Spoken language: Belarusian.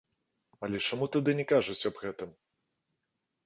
Але чаму тады не кажуць аб гэтым?